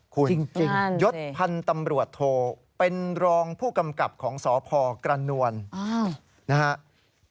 คุณจริงยศพันธ์ตำรวจโทเป็นรองผู้กำกับของสพกระนวลนะครับ